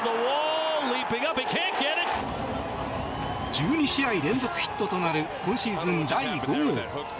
１２試合連続ヒットとなる今シーズン第５号。